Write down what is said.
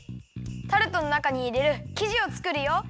タルトのなかにいれるきじをつくるよ！